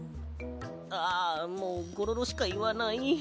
ああもうゴロロしかいわない。